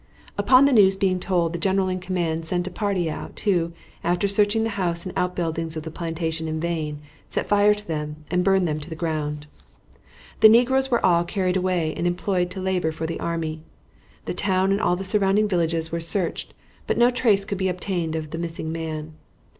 Upon the news being told, the general in command sent a party out, who, after searching the house and out buildings of the plantation in vain, set fire to them and burned them to the ground. The negroes were all carried away and employed to labor for the army. The town and all the surrounding villages were searched, but no trace could be obtained of the missing man.